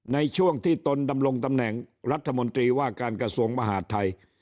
ในช่วงที่ตนดำรงตำแหน่งรัฐมนตรีว่าการกระทรวงมหาดไทย